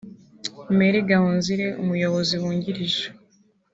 Mary Gahonzire umuyobozi wungirije